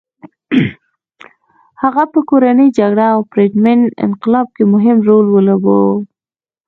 هغوی په کورنۍ جګړه او پرتمین انقلاب کې مهم رول ولوباوه.